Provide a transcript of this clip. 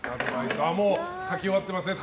もう書き終わってますね。